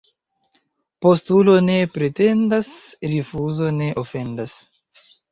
Postulo ne pretendas, rifuzo ne ofendas.